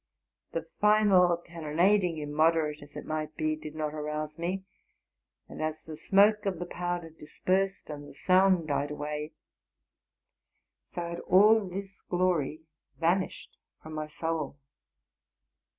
'The final cannonading, immod erate as it might be, did not arouse me; and as the smoke of the powder dispersed, and the sound died away, so had ul this glory vanished from my soul.